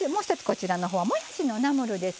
こちらの方もやしのナムルです。